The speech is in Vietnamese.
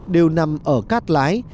đều nằm ở cát lái